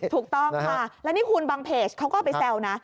ถูกต้องค่ะแล้วนี่คุณบางเพจเขาก็เอาไปแซวนะ